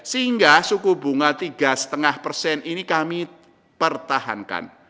sehingga suku bunga tiga lima persen ini kami pertahankan